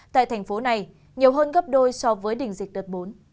tại thành phố này nhiều hơn gấp đôi so với đỉnh dịch đợt bốn